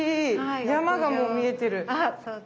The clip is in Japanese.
山がもう見えてる。